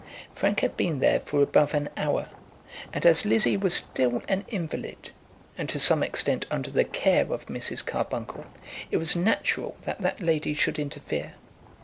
Frank had been there for above an hour, and as Lizzie was still an invalid, and to some extent under the care of Mrs. Carbuncle, it was natural that that lady should interfere.